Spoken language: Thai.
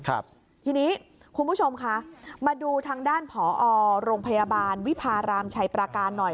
ทีนี้คุณผู้ชมคะมาดูทางด้านผอโรงพยาบาลวิพารามชัยประการหน่อย